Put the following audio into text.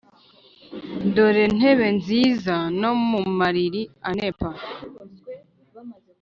dore ntebe nziza no mu mariri anepa.